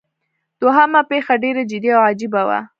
دوهمه پیښه ډیره جدي او عجیبه وه.